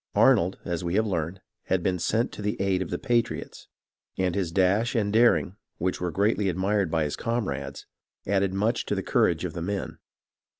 Arnold, as we have learned, had been sent to the aid of the patriots, and his dash and daring, which were greatly admired by his comrades, added much to the courage of the men.